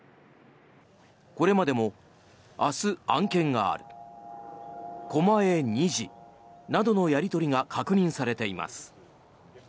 これまでも明日、案件がある狛江２時などのやり取りが確認されています。